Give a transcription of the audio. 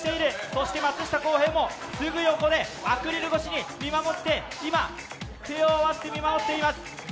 そして松下洸平もアクリル越しに見守って今、手を合わせて見守っています。